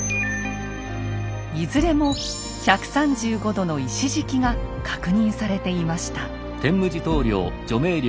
いずれも１３５度の石敷きが確認されていました。